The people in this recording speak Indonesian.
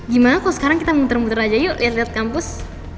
gimana kalo sekarang kita muter muter aja yuk liat liat kampus